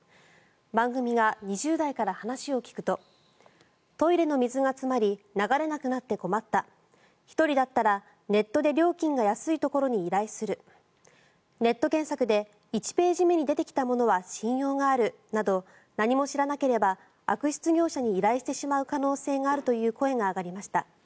番組が２０代から話を聞くとトイレの水が詰まり流れなくなって困った１人だったら、ネットで料金が安いところに依頼するネット検索で１ページ目に出てきたものは信用があるなど何も知らなければ悪質業者に依頼してしまう可能性があるという声が上がりました。